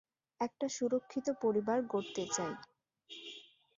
একটা সুরক্ষিত পরিবার গড়তে চাই।